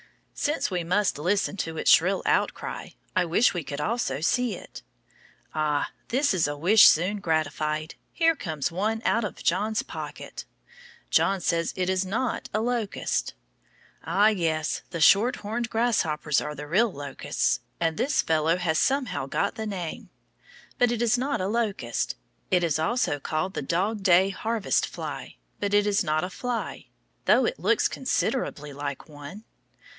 Since we must listen to its shrill out cry, I wish we could also see it. Ah, that is a wish soon gratified! Here comes one out of John's pocket. John says it is not a locust. Ah, yes, the shorthorned grasshoppers are the real locusts, and this fellow has somehow got the name. But it is not a locust. It is also called the dog day harvest fly, but it is not a fly, though it looks considerably like one.